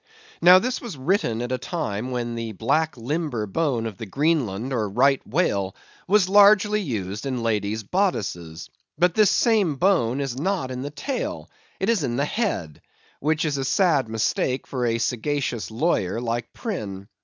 Now this was written at a time when the black limber bone of the Greenland or Right whale was largely used in ladies' bodices. But this same bone is not in the tail; it is in the head, which is a sad mistake for a sagacious lawyer like Prynne.